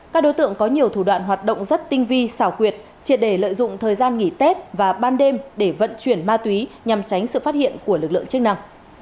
các đối tượng có nhiều thủ đoạn hoạt động rất tinh vi xảo quyệt triệt để lợi dụng thời gian nghỉ tết và ban đêm để vận chuyển ma túy nhằm tránh sự phát hiện của lực lượng chức năng